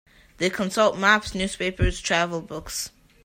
They consult maps, newspapers, travel books.